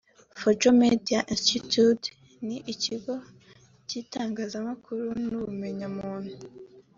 Fojo Media Institute ni ikigo cy’itangazamakuru n’ubumenyamuntu